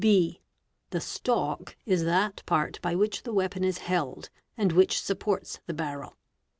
(b) The stock is that part by which the weapon is held and whi supports the barrel.